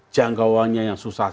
jangkauannya yang susah